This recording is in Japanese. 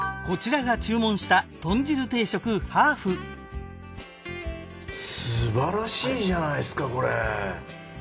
こちらが注文したとん汁定食ハーフすばらしいじゃないですかこれ！